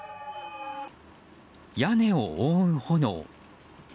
屋根を覆う炎。